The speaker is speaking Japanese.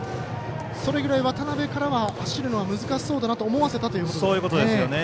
それぐらい渡辺からは走るのは難しそうだなと思わせたということですね。